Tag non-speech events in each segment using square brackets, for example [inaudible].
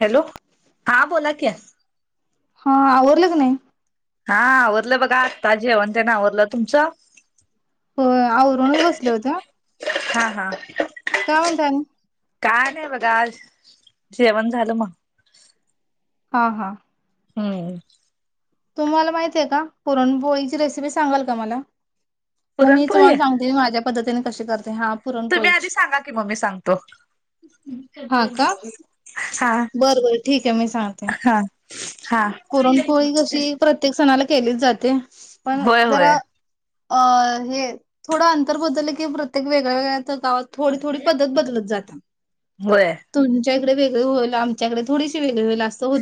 Hello हा बोला की हा आवरलं की नाही? हा आवरलं बघा आत्ता जेवण तेन आवरलं तुमचं होय, आवरूनच बसले होत्या हा हा काय म्हणताय आणि. काय नाही बघा आज जेवण झालं मग. हा हा हम्म तुम्हाला माहतीे का पुरणपोळीची रेसिपी सांगाल का मला. मग मी पुरणपोळी तुम्हाला सांगते माझ्या पद्ध पद्धतीने कशी कर तुम्ही आधी सांगा की मग मी सांगतो. हा का? हा बरं बर ठीक आहे मी सांगते. हा हा पुरणपोळी कशी प्रत्येक सणाला. केली जाते. पण होय होय जरा. अ हे थोडं अंतर बदल की प्रत्येक वेगळ्या वेगळ्या. गावात थोडी थोडी पदत बदलत जात होय तुमच्या वेगळे होईल आमच्याडे थोडीशी वेगळे होईल असं हो.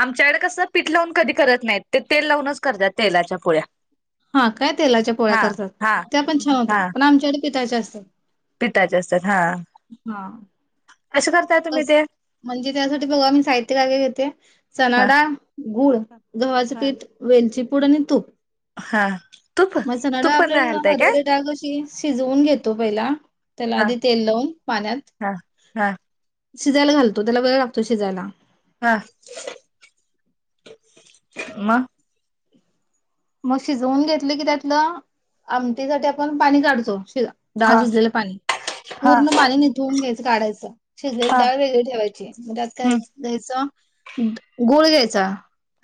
आमच्याकड कसं. पीठ लावून कधी करत नाहीत ते तेल लावूनच करतात तेलाच्या पोळ्या. हा काय तेलाच्या पोळ्या हा करतात हा त्या पण छान हा होतात पण आमच्याकडे पिठाच्या असतात पिठाचे असतात हा हा कसे करताय तुम्ही ते म्हणजे त्यासाठी बघा आम्ही साहित्य काय काय घेते ते चणा हा डाळ गुळ गव्हाचं पीठ वेलची. पुड आणि तूप हां मग चणा डाळ आपण हरभरा डाग अशी शिजवून घेतो पहिला त्याला हा आधी तेल लावून पाण्यात. हा हा शिजायला घालोतो तेला वेळ लागतो शिजायला. हा म मग शिजवून घेतली की त्यातलं आमटीसाठी आपण पाणी काढतो शिज हा डाळ शिजलेलं पाणी हा पूर्ण पाणी निथवळून घ्यायचं. काढायचं शिजलेली हा डाळ वेगळी ठेवायची मग आत काय हम्म घ्यायचं. गूळ घ्यायचा.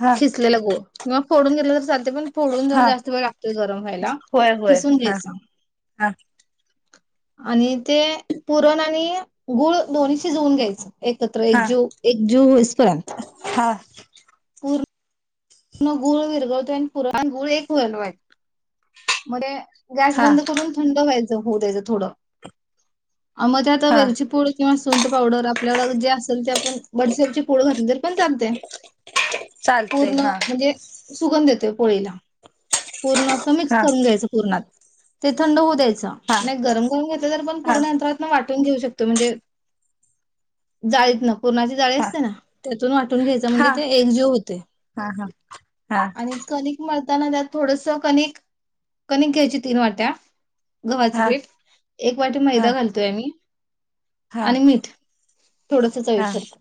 हा खिसलेला गुळ किंवा फोडून घेतला तर चालते पण फोडून जर हा जास्त वेळ लागतो गरम व्हायला होय होय खिसून हा घ्यायचा. हा आणि ते पुरण आणि गुळ दोन्ही शिजवून घ्यायचं. एकत्र हा एक जीव एकजीव होई पर्यंत. हा पुर पण गुळ विर्घळतो आणि पुरण गुळ एक वलवा हाय मरे गॅस हा बंद करून थंड व्हायच होऊ द्यायचं थोडं अ म त्या आता हा वेलची पुड किंवा सुंट पावडर आपल्या जे असेल ते पण बडसेबची पूड घातली तर पण चालतय चालतय पूर्ण हा म्हणजे सुगंध येतोय पोळीला. पूर्ण समीक्ष हा करून घ्यायचं पूर्णात ते थंड होऊ द्यायच. चा हा नाय गरम करून घेतल तरी पण हा पुर्णं अंतारत्न वा घेऊ शकतो म्हणजे जायच न कोनाची जाळी हा हा असते ना, त्यातून वाटून घ्यायच हा म्हणजे ते एकजीव होते. हा हा हा आणि कणिक मळ ता त्यात थोडस कनिक कण घ्यायची तीन वाट्या गव्हाचे हा हा पीठ एक वाटी मैदा घालतोय आम्ही हा हा आणि मीठ थोडस चवी पूरत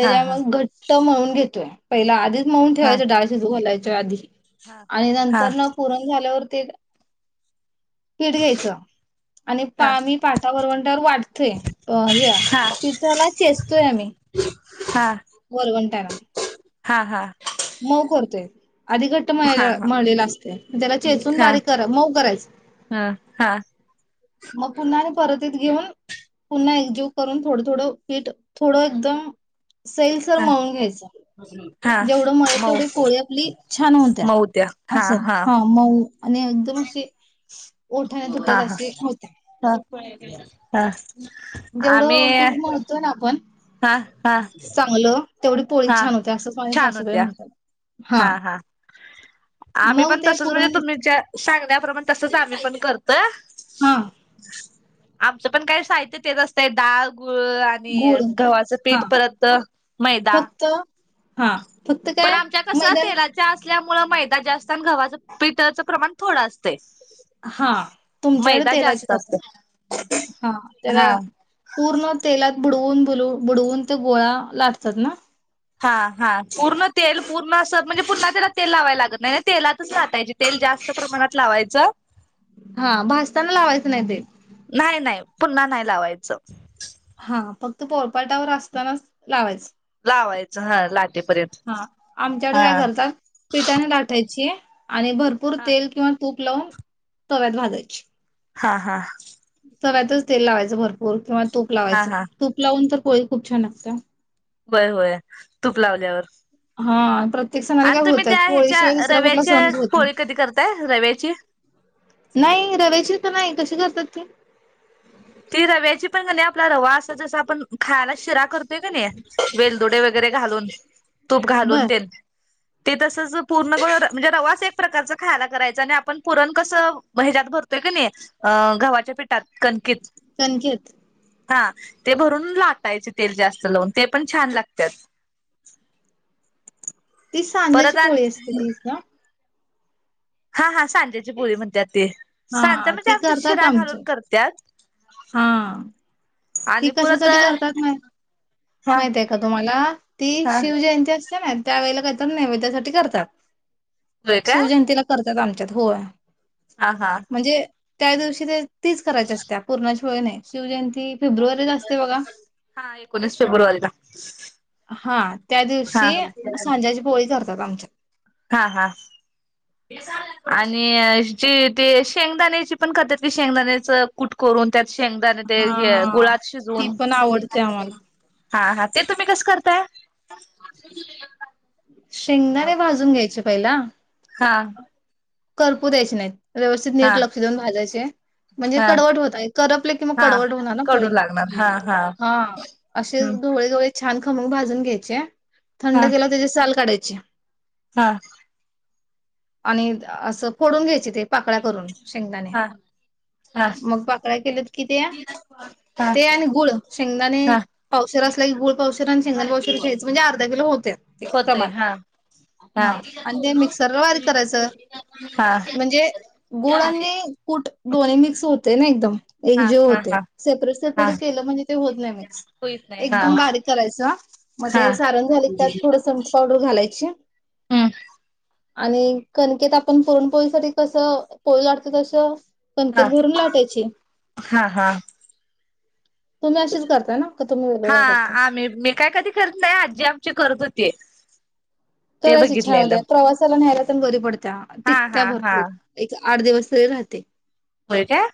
हा हा मग घट त म्हणून घेतोय पहिला आधीच मऊन हा हा ठेवायं डाळ शिजू घलायचे जधी हा हा पुरण झाल्यावरती पिठ घ्यायच आणि पा म पाठा वरवंटावर वाटतोय, या पिठाला चेचतोय आम्ही वरवंट ट्यान हा हा मउ करतोय. आधी घट्ट हा हा मळलेला असतय त्याला चेचून बारीक मऊ करायचं. हा मग पुन्हा परतीत घेऊन पुन्हा एकजीव करून थोडं थोडं पीठ थोडं एकदम सेैल सर मळून घ्यायचं. हा जेवढं मळेल मऊ तेवढी पोळी आपली छान होत्या मऊ हुत्या हा असं हा मऊ आणि एकदम अशी ओठाण हा तुटल अशी, [unintelligible] हा आम्ही जेवढं पीठ मळतो ना आपण हा हा चांगलं तेवढी पोळी हा छान होते असंच माझ्या छान सासूबाई होत्या म्हणतात. हा हा आम्ही मग पण ते तसच म्हणजे पुरण तुम्ही ज्या सांगण्याप्रमाणे तसच आम्ही पण करतो. [unintelligible] हा आमचं पण काही साहित्य ते असत डाळ गुळ आणि गुळ गव्हाचं हां. पीठ परत मैदा. हा पण आमच्या कस तेलाच्या असल्या मुळे मैदा जास्त आणि गव्हाच पीठाचं प्रमाण थोडं असते. हा तुमच्याकडे तेलाची जास्त करतात. असतोय हा त्याला हा पूर्ण तेला बुडवून बुल बुडवून ते गोळा लाटतात ना. हा हा पूर्ण तेल पूर्ण अस म्हणजे पुन्हा त्याला तेल लावायला लागत नाही ना तेलातच लााटायचे तेल जास्त प्रमाणात लावायचं. हा भाजताना लावायचं नाही ते. नाही नाही पुन्हा नाही लावायचं. हा फक्त पोळपाटावर असतानाच लावायच. लावायचं हा लाटेपर्यंत हां. आमच्याकडे हा काय करतात पिठाने लाटायची आणि भरपूर हा तेल किंवा तूप लवंग तव्यात भाजायची. हा हा- तव्यातच तेल लावायचं भरपूर किंवा तूप हा लावायचं हा तूप लावून तर होय खूप छान लागत. होय होय तूप लावल्यावर. हा परत प्रत्येक सणाला आणि काय तुम्ही होतात त्या ह्याच्या पोळीशिवाय दुसरा कुठला रव्याच्या सणच होत पोळी कधी करताय रव्याची नाही रव्याची तर नाही कशी करत [unintelligible] ती रव्याची पण आणि आपला रवा अस जस आपण खायला शिरा करतेय का नाही वेल दोडे वगैरे घालून तूप घालून बर ते ते तसंच पूर्ण म्हणजे रवाच एक प्रकारच खायला करायच आणि आपण पुरण कसं ह्याच्यात भरतोय की नाही अ गव्हाच्या पिठात कणकेत. संकेत हा ते भरून लाटायचे तेल जास्त लावून ते पण छान लागत्यात. ती सांज्याची परत आणि पोळी असते तीच ना. हा हा सांज्याची पोळी म्हणत्यात. ते सांजा हा म्हणजे ती आमच्यात करतात शिरा घालून आमच्यात करत्यात. हा आणि ती पुर कशासाठी तर. करतात माहि माहित आहे का तुम्हाला. ह. ती शिवजयंती असत्या ना त्या वेळेला काहीतरी नेवेद्यासाठी करतात. शिवजयंतीला करतात आमच्या होय. ह हा. म्हणजे त्या दिवशी ते. तिच करायची असत्या. त्याशिवाय नाही शिवजयंती. ती फेब्रुवारीला असते बघा हा एकोणीस फेब्रुवारीला हा त्या हा दिवशी सांज्याची पोळी चार [inaudible] हा हा आणि जी ते शेंगदाण्याची पण करत्यात की शेंगदाण्याच कुट करून त्यात. शेंगदाणं ते हे हा गुळात ती शिजवून पण आवडते आम्हाला. हा हा. ते तुम्ही कसं करताय. शेंगदाणे भाजून घ्यायचे पहिला. [unintelligible] करपू द्यायचे नाहीत. व्यवस्थित हा नीट लक्ष देऊन भाजायचे म्हणजे हा कडवट होतय करपले की मग हा कडवट होणार ना कडू पोळी लागणार हा हा असेच हम्म घोवळे घोवळे छा छान खमंग भाजून घ्यायचे. थंड हा केला त्याची साल काढायची. अच्छा. हा. आणि. असं फोडून घ्याचीत. ते पाकळ्या करून शेंगदाणे हा हा मग पाकळ्या केल्यात की त्या हा ते आणि गुळ शेंगदाणे हा पावशेर असलं की गुळ पावशेर आणि शेंगदाण पावशेर घ्यायचं म्हणजे अर्धा किलो होतय. ते होतय समान हा हा आणि ते मिक्सरला बारीक करायचं. हा म्हणजे गुळ आणि कूट दोन्ही मिक्स होते ना एकदम. हा एकजीव हा होतंय हा सेपरेट हा सेपरेट केलं म्हणजे ते होत नाही मिक्स कोईच नाही हा एकदम बारीक करायचं मग हा ते सारण झालं की त्यात मीठ पावडर घालायची. आणि क. आपण पुरणपोळीसाठी कसं पोळी लाटतो तसं. हा पंकेत भरून लाटायची. हा हा तुम्ही अशीच करताय ना का तुम्ही वेगळं हा काय करता? आम्ही मी काय कधी करत नाही आजी आमची करत होती. ते करायची बघितलेलं [inaudible] प्रवासाला न्यायला पण बरी पडते हा टिकत्या हा हा भरपूर एक. आठ दिवस तरी रहाते. होय काय.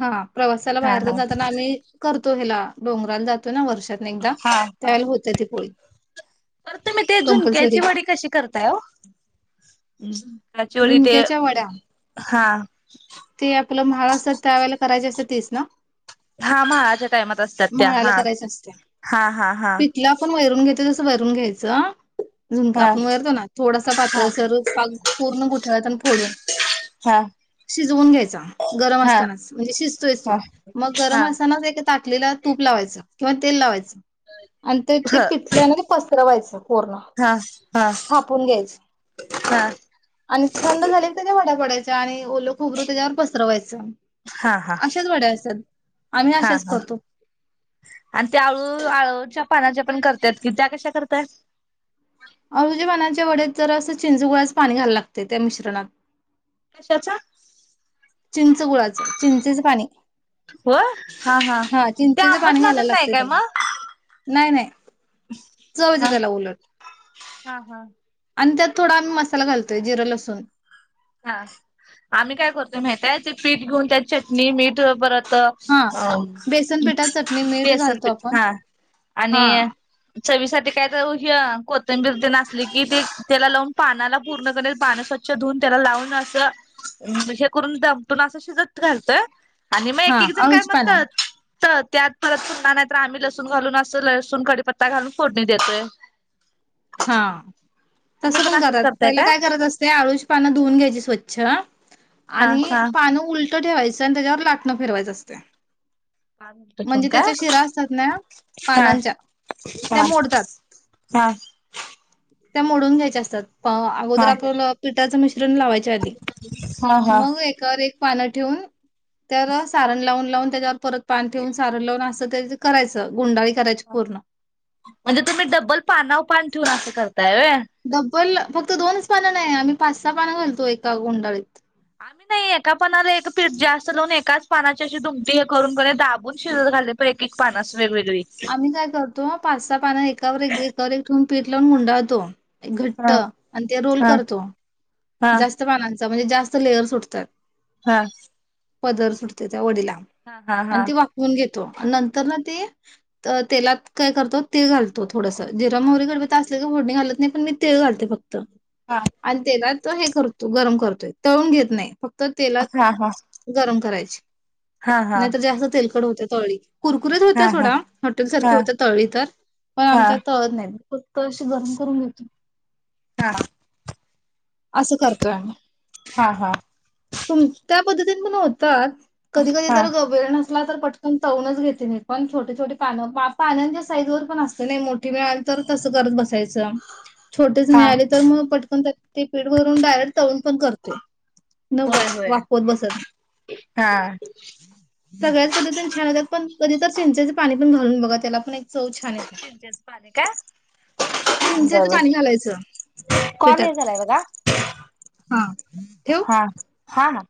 हा हा प्रवासाला हा बाहेर हा जाताना आम्ही करतो. करतो हेला डोंगराला जातो ना वर्ष. हा हा [inaudible] होते ती पोळी. तर तुम्ही ते झुणक्याची कंपल्सरी. वडी कशी. वडी ते झुणक्याच्या वड्या हा ते आपलं महाराष्ट्रात त्यावेला. करायचे असं तेच ना. हा म्हाळाच्या टायमात असतात त्या म्हाळाला हा करायची असते. हा हा हा. पिठलं आपण वैरून तसं भरून घ्यायचं. झुमका हा आपण वरतो ना थोडासा हा पातळसर पाग. पूर्ण गोठळ्यातून फोडून हा शिजवून घ्यायचा गरम असतानाच म्हणजे शिजतोयतो हा हा मग हा गरम असतानाच एक ताकलेला तूप लावायचं. किंवा तेल लावायचं. आणि ते ते ह पिथल्या आणि पसरवायचं. पूर्ण हा हा थापून घ्यायचं. हा. आणि थंड झाली. डा पडायचा आणि ओल खोबरू त्याच्यावर पसरवायचं. हा हा अशाच वड्या असतात आम्ही हा अशाच हा करतो. आणि त्या आळू आळूच्या पानाच्या. पण करतायत की त्या कशा करतय. अळूच्या पानाच्या वड्याच तर असं चिंचू गोळ्याच पाणी घायला लागते त्या मिश्रणात. कशाचा. चिंच गुळाचं चिंचेच पाणी. हा ते चिंचेचे पाणी आंबट घालायला लागत नाही लागते काय त्याला मग? नाही नाही चवते हा त्याला उलट हा. आणि त्यात. थोडा आमही मसाला घालोय जिं लसूून. हा आम्ही काय करतोय माहितयत. ते पीठ घेऊन त्यात चटणी मीठ परत हा बेसन पिठात चटणी मीठ बेसन घालतो पीठ आपण हा हा आणि चवीसाठी काय तर कोथंबीर ते नासली कि ते त्याला लावून पानाला पूर्ण करणे पान स्वच्छ धुवून त्याला लावून असं हेे करून दमटून असं शिजत घालतय. आणि मग हा एक एक जण काय अळूची पानं म्हणतात. तर त्यात परत सुमणार नाही तर आम्ही लसूण घालून असं लसूण कडीीपत्ता घालून फोडणी देतोय. हा. तुम्ही तसं पण असंच करात करताय पहिला का? काय करत असते आळूची पानं धुवून घ्यायची स्वच्छ [unintelligible] हा आणि हा पानं उलट फ ठेवायचं आणि त्याच्यावर लाटणं फिरवायचं असते. पाच मिनिटं ठेवून म्हणजे काय त्याच्या शिरा असतात ना हा पानांच्या त्या हा मोडतात. हा त्या मोडून घ्यायच्या असतात. अगोदर हा आपल्याला पिठाचं मिश्रण लावायच्या आधी हा हा मग एकावर एक पान तो तर सारण लावून लावून. ार परत पाण ठेवून सारं लावून असत. कयचं गुंडा म्हणजे तुम्ही डब्बल पाना पा त अस कर. त्या. बोल फक्त दोनच पानं नाही आम्ही पाच सहा पानं घालतो एका गुंडाळीत आम्ही नाही एका पानाला एक पीठ जास्त लावून एकाच पानाची अशी दुमी हे करून दाबून शिजत घाले एक एक पानास आम्ही काय करतो पाच स पान एकावर एकावर एक ठून पीटलाून गंडातो. एक घट्ट हा आणि ते रोल हा. करतो. हा जास्त पाना म्हणजे जास्त लेअर सुटतात. हा. पदर सुटते त्या वडिला हा हा आणि हा. ती वाकवून घेतो आणि नंतर ना तेी तर तेलात काय करतो. ते घलतो थोडास जरा मोरे घडवत अस. डी हल्त नाही पण मी तेळ घालते फक्त हा आणि तेला त हे करतो गरम करतोय तळून घेत नाही फक्त तेलात हा हा. गरम करायचं हा ह हा. नाही तर जाेस्त तेलकड होते तळी कुरकुरीत होत्या हा हा थोडा हॉटेल हा सारख्या होत्या तळी तर पण आमच्या हा तळत नाही फक्त अशी गरम करून घेतो ह असं करतोय म हा तुम त्या पद्धतीन पण होत कधी कधी हा तर हा गभीर नसत तर पटकन तवूनच घेते नाही पण छोटे छोटे पानं पाण्यांच्या साईज वर पण असते नाही मो मिळाली तर तसं करत बसायचं छोटेच हा. मिळाले तर मग पटकन स्पीड वरून डायरेक्ट तळड पण करते न होय होय. वापवत बसत नाही हा. सगळ्याच पद्धतीन छान होतात पण कधी तर चंचे पाणी पण घालून बघ त्या पण चव छान येते. का ब चिंचेचं पाणी घालायचं कॉलेज पिठात झालाय ब का हा येव काण